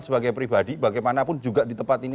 sebagai pribadi bagaimanapun juga di tempat ini